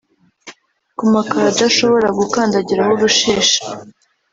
ku makaro adashobora gukandagiraho urushishi